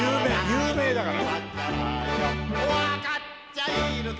有名だから。